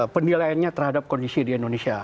penilaiannya terhadap kondisi di indonesia